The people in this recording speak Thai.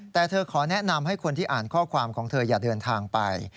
แต่เธอขอแนะนำให้คนที่อ่านข้อความของเธออย่าเดินทางไป